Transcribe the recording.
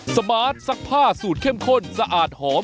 สมือสักผ้าสูตรเค่มข้นสะอาดหอม